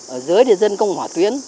ở dưới thì dân công hỏa tuyến